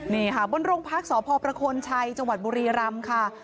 นี่ค่ะบนโรงพักษ์สพชัยจบุรีรำค่ะ